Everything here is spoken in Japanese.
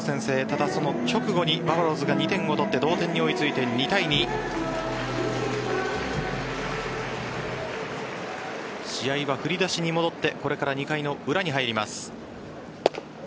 ただ、その直後にバファローズが２点を取って同点に追いついて２対２．試合は振り出しに戻ってこれから２回の裏に入ります。